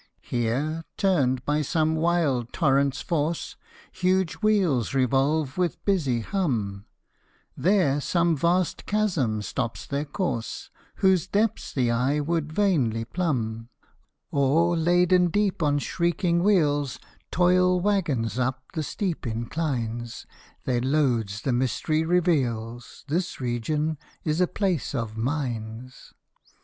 Here, turned by some wild torrent's force, Huge wheels revolve with busy hum ; There some vast chasm stops their course, Whose depths the eye would vainly plumb ; Or, laden deep on shrieking wheels, Toil waggons up the steep inclines : Their load the mystery reveals, This region is a place of mines